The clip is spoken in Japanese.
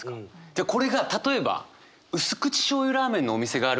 でこれが例えば「薄口しょうゆラーメンのお店があるから」